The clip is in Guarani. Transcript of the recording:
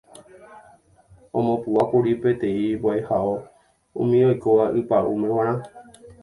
Omopu'ãkuri peteĩ mbo'ehao umi oikóva ypa'ũme g̃uarã